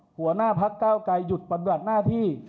หัวหน้าพักเก้าไกรหยุดปฏิบัติหน้าที่